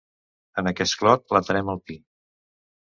En aquest clot plantarem el pi.